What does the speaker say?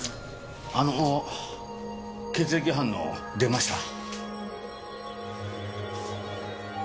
あのー血液反応出ました。